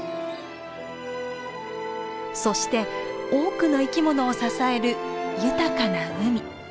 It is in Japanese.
そして多くの生き物を支える豊かな海。